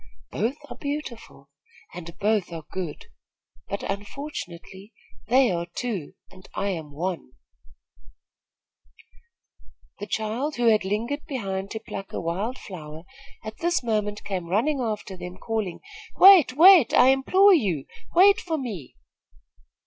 Both are beautiful, and both are good; but, unfortunately, they are two, and I am one." The child, who had lingered behind to pluck a wild flower, at this moment came running after them, calling: "Wait! wait! I implore you, wait for me!"